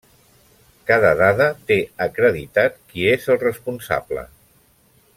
Cada dada té acreditat qui és el responsable.